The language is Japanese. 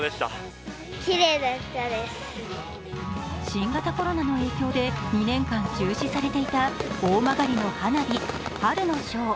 新型コロナの影響で、２年間中止されていた大曲の花火−春の章−。